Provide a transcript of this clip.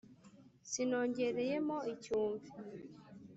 Sinongereyemo icyumvi